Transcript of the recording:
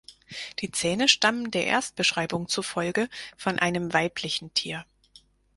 Die Zähne stammen der Erstbeschreibung zufolge von einem weiblichen Tier.